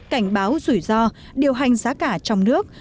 cảnh báo rủi ro điều hành giá cả trong nước